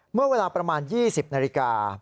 เมื่อเวลาประมาณ๒๐นาฬิกา